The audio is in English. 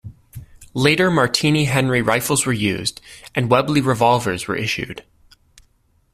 Later Martini-Henry rifles were used, and Webley revolvers were issued.